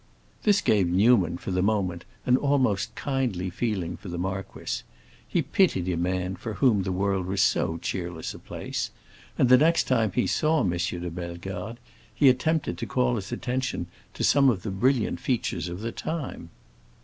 This gave Newman, for the moment, an almost kindly feeling for the marquis; he pitied a man for whom the world was so cheerless a place, and the next time he saw M. de Bellegarde he attempted to call his attention to some of the brilliant features of the time.